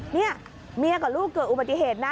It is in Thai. เนี่ยเมียกับลูกเกิดอุบัติเหตุนะ